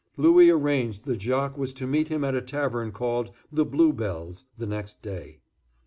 Louis arranged that Jacques was to meet him at a tavern called "The Blue Bells" the next day.